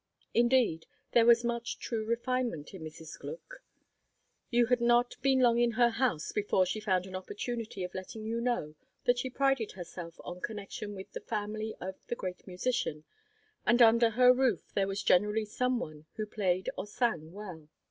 Indeed, there was much true refinement in Mrs. Gluck. You had not been long in her house before she found an opportunity of letting you know that she prided herself on connection with the family of the great musician, and under her roof there was generally some one who played or sang well.